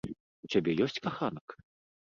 У цябе ёсць каханак?